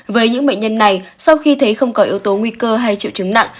với những bệnh nhân này sau khi thấy không có yếu tố nguy cơ hay triệu chứng nặng